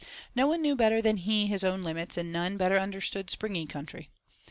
No one knew better than he his own limits, and none better understood "springy country."